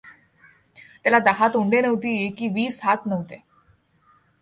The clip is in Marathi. त्याला दहा तोंडे नव्हती की वीस हात नव्हते.